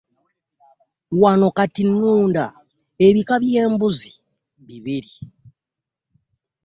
Wano kati nnunda ebika by'embuzi bibiri.